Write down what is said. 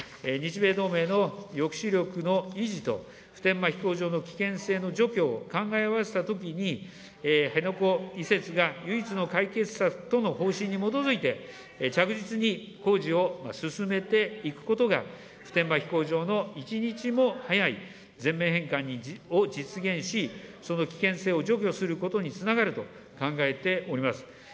日米同盟の抑止力の維持と、普天間飛行場の危険性の除去を考え合わせたときに、辺野古移設が唯一の解決策との方針に基づいて、着実に工事を進めていくことが、普天間飛行場の一日も早い全面返還を実現し、その危険性を除去することにつながると考えております。